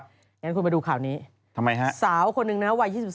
อย่างนั้นคุณไปดูข่าวนี้สาวคนหนึ่งนะครับวัย๒๒